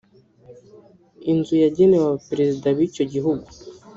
inzu yagenewe abaperezida b'icyo gihugu